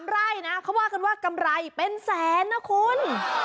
ไร่นะเขาว่ากันว่ากำไรเป็นแสนนะคุณ